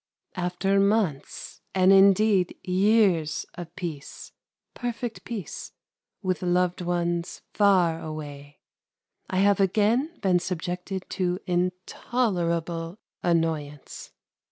After months, and indeed years of peace, perfect peace, with loved ones far away, I have again been subjected to intolerable annoyance.